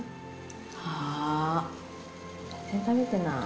あー、全然食べてない。